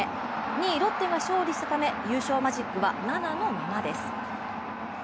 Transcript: ２位ロッテが勝利したため優勝マジックは７のままです。